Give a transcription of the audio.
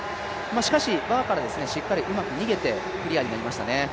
しかしバーからしっかりうまく逃げてクリアになりましたね。